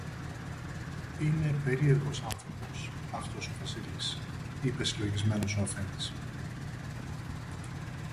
Είναι περίεργος άνθρωπος αυτός ο Βασίλης, είπε συλλογισμένος ο αφέντης